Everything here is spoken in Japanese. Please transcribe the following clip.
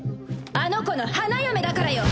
あの子の花嫁だからよ。